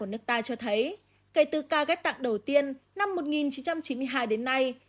nhìn lại lịch sử ghép tạng của nước ta cho thấy kể từ ca ghép tạng đầu tiên năm một nghìn chín trăm chín mươi hai đến nay